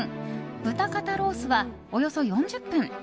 豚肩ロースは、およそ４０分。